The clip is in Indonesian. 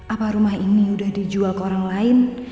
apa rumah ini sudah dijual ke orang lain